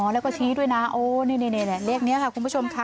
แล้วก็ชี้ด้วยนะโอ้นี่เลขนี้ค่ะคุณผู้ชมค่ะ